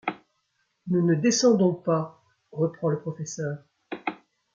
Nous ne descendons pas ! reprend le professeur.